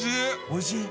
おいしい？